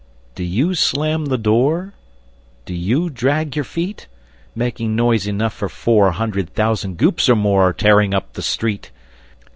_ Do you slam the door? Do you drag your feet? Making noise enough for four Hundred thousand Goops, or more, Tearing up the street?